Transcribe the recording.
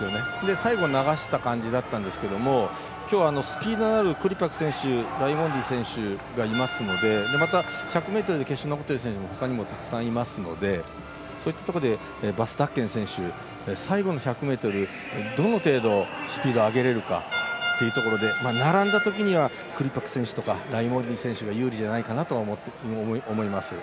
最後、流した感じだったんですけどきょう、スピードのあるクリパク選手とライモンディ選手がいますのでまた、１００ｍ決勝に残っている選手もほかにもたくさんいますのでそういったところでバス・タッケン選手は最後の１００ｍどの程度、スピード上げれるかというところで並んだときにはクリパク選手とかライモンディ選手が有利じゃないかなとは思います。